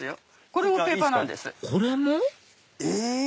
これも？え？